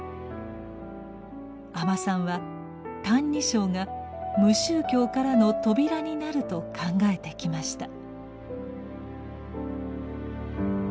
阿満さんは「歎異抄」が無宗教からの扉になると考えてきました。